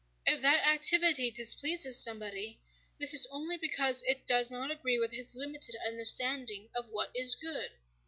If that activity displeases somebody, this is only because it does not agree with his limited understanding of what is good.